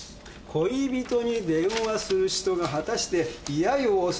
恋人に電話する人が果たして「１８４」を押すでしょうか？